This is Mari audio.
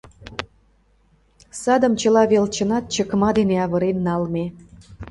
Садым чыла велчынат чыкма дене авырен налме.